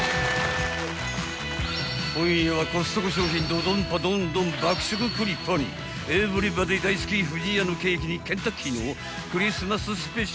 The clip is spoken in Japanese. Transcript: ［今夜はコストコ商品ドドンパドンドン爆食クリパにエブリバディ大好き不二家のケーキにケンタッキーのクリスマススペシャル！］